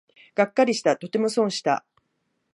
がっかりした、とても損した